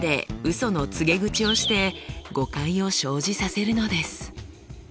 その告げ口をして誤解を生じさせるのです。